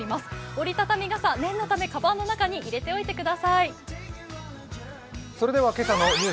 折り畳み傘、念のため鞄の中に入れておいてください。